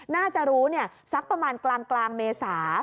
น่าจะรู้สักประมาณกลางเมษา